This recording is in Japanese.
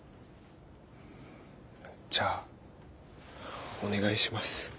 じゃあお願いします。